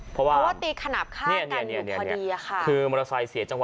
เพราะว่านี่คือมอเตอร์ไซเสียจังหวะ